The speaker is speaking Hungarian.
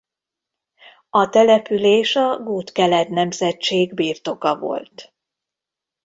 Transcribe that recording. A település a Gutkeled nemzetség birtoka volt.